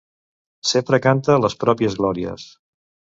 Sempre canta les pròpies glòries.